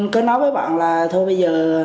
cứ nói với bạn là thôi bây giờ